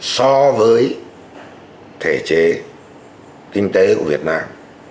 so với thể chế kinh tế của việt nam